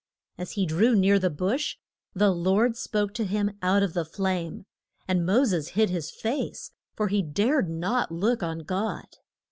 As he drew near the bush the Lord spoke to him out of the flame, and Mo ses hid his face, for he dared not look on God.